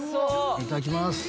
いただきます。